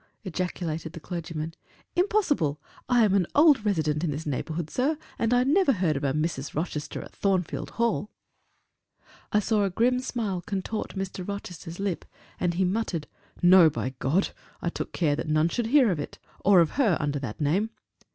ejaculated the clergyman. "Impossible! I am an old resident in this neighborhood, sir, and I never heard of a Mrs. Rochester at Thornfield Hall." I saw a grim smile contort Mr. Rochester's lip, and he muttered, "No, by God! I took care that none should hear of it, or of her under that name."